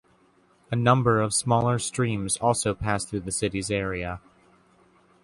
A number of smaller streams also pass through the city's area.